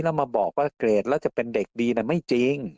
แล้วมาบอกว่าเกรดแล้วจะเป็นเด็กดีไม่จริง